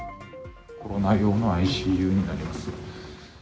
コロナ用のＩＣＵになります。